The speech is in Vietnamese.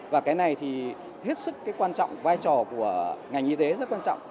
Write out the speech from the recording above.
và cái này thì hết sức cái quan trọng vai trò của ngành y tế rất quan trọng